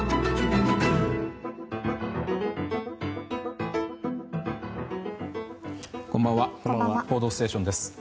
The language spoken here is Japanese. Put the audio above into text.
「報道ステーション」です。